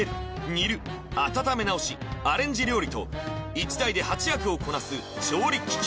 煮る温めなおしアレンジ料理と１台で８役をこなす調理機器